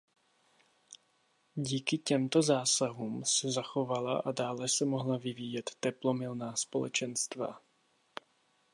Díky těmto zásahům se zachovala a dále se mohla vyvíjet teplomilná společenstva.